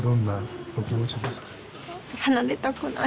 離れたくない。